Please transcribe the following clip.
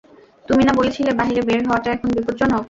তুমি না বলেছিলে বাহিরে বের হওয়াটা এখন বিপজ্জনক!